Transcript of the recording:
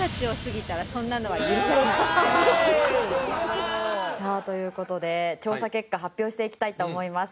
「うわ！」さあという事で調査結果発表していきたいと思います。